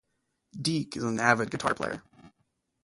Deek is an avid guitar player.